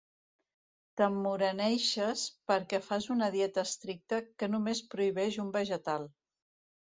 T'emmoreneixes perquè fas una dieta estricta que només prohibeix un vegetal.